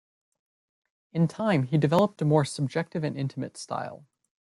In time, he developed a more subjective and intimate style.